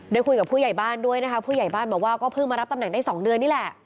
ได้คุยกับผู้ใหญ่บ้านด้วยนะคะผู้ใหญ่บ้านบอกว่าก็เพิ่งมารับตำแหน่งได้๒เดือนนี่แหละ